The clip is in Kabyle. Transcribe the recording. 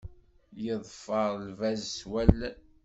Yeḍfer lbaz s wallen.